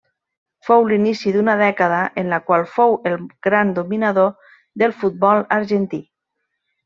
Fou l'inici d'una dècada en la qual fou el gran dominador del futbol argentí.